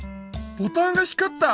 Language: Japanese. ボタンが光った！